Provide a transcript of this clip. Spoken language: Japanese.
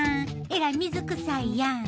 えらい水くさいやん。